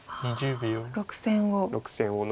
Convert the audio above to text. ６線を。